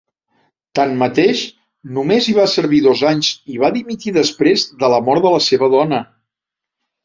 Tanmateix, només hi va servir dos anys i va dimitir després de la mort de la seva dona.